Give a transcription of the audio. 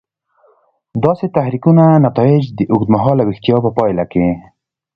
داسې تحریکونو نتایج د اوږد مهاله ویښتیا په پایله کې.